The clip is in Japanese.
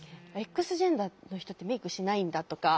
Ｘジェンダーの人ってメークしないんだとか。